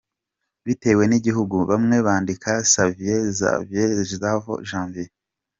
Bitewe n’igihugu, bamwe bandika Xavier, Zavier, Xavior, Javier.